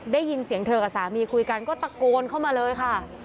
ได้ยินเสียงเธอกับสามีคุยกันก็ตะโกนเข้ามาเลยค่ะ